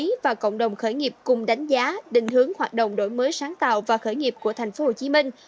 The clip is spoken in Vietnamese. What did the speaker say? kinh tế và cộng đồng khởi nghiệp cùng đánh giá định hướng hoạt động đổi mới sáng tạo và khởi nghiệp của thành phố hồ chí minh